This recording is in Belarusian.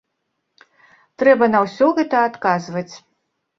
Трэба на ўсё гэта адказваць.